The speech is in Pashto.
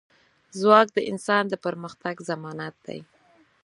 ځواک د انسان د پرمختګ ضمانت دی.